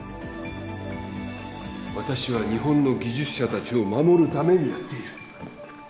私は日本の技術者たちを守るためにやっている。